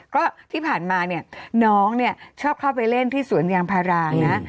ก็ที่ผ่านมาเนี่ยน้องเนี่ยชอบเข้าไปเล่นที่สวนยางพารานะ